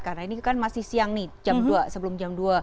karena ini kan masih siang nih jam dua sebelum jam dua